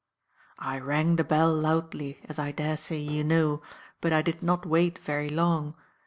"I rang the bell loudly, as I daresay you know, but I did not wait very long.